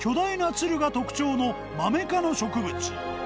つるが特徴のマメ科の植物磴